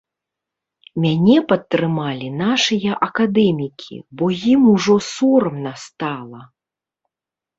Мяне падтрымалі нашыя акадэмікі, бо ім ужо сорамна стала.